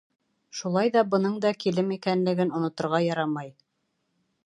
Шулай ҙа бының да килем икәнлеген оноторға ярамай.